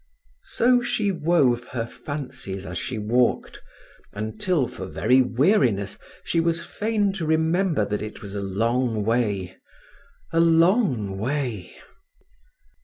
So she wove her fancies as she walked, until for very weariness she was fain to remember that it was a long way—a long way.